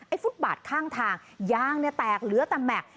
ไอ้ฟุตบาทข้างทางยางแตกเหลือแต่แม็กซ์